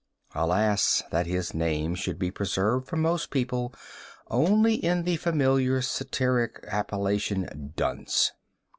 Alas! that his name should be preserved for most people only in the familiar satiric appellation 'dunce.'